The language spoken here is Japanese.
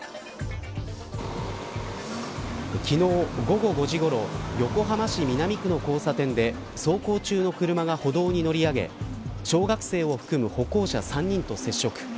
昨日、午後５時ごろ横浜市南区の交差点で走行中の車が歩道に乗り上げ小学生を含む歩行者３人と接触。